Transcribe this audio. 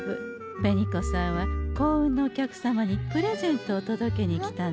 紅子さんは幸運のお客様にプレゼントを届けに来たんでござんす。